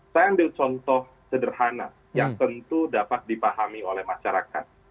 saya ambil contoh sederhana yang tentu dapat dipahami oleh masyarakat